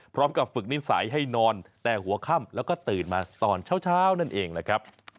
พร้อมกับฝึกนิสัยให้นอนแต่หัวค่ำแล้วก็ตื่นมาตอนเช้านั่นเองนะครับ